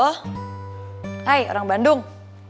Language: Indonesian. hai orang bandung